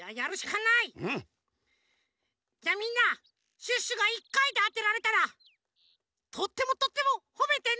じゃみんなシュッシュが１かいであてられたらとってもとってもほめてね！